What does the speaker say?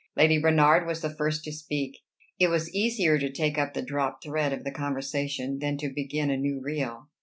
Lady Bernard was the first to speak. It was easier to take up the dropped thread of the conversation than to begin a new reel.